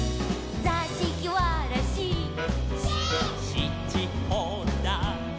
「しちほだ」